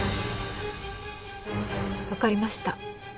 わかりました。